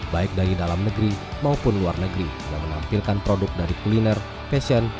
baik dari dalam negeri maupun luar negeri yang menampilkan produk dari kuliner fashion